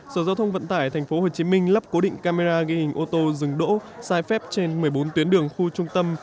sở giao thông vận tải tp hcm lắp cố định camera ghi hình ô tô dừng đỗ sai phép trên một mươi bốn tuyến đường khu trung tâm